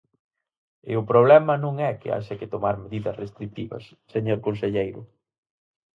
E o problema non é que haxa que tomar medidas restritivas, señor conselleiro.